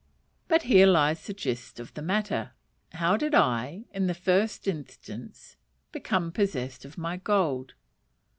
But here lies the gist of the matter how did I, in the first instance, become possessed of my gold?